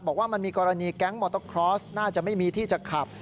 บอกว่ามันมีกรณีแก๊งมอเตอร์คลอสน่าจะไม่มีที่จะขับ